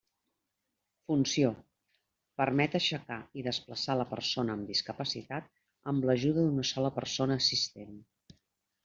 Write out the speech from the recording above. Funció: permet aixecar i desplaçar la persona amb discapacitat amb l'ajuda d'una sola persona assistent.